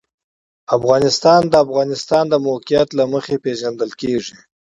افغانستان د د افغانستان د موقعیت له مخې پېژندل کېږي.